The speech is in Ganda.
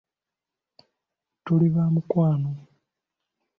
Tuli ba mukwano!